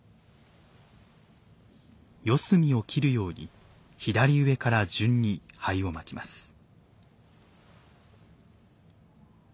四隅をきるように左上から順に灰をまきます。